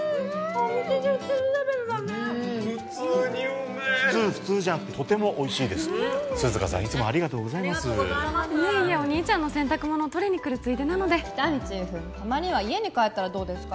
お店で売ってるレベルだねうーん普通にうめえ普通じゃなくてとてもおいしいです涼香さんいつもありがとうございますいえいえお兄ちゃんの洗濯物取りに来るついでなので喜多見チーフたまには家に帰ったらどうですか？